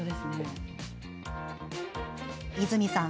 和泉さん